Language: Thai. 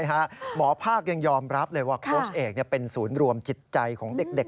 หมอภาคยังยอมรับเลยว่าโค้ชเอกเป็นศูนย์รวมจิตใจของเด็ก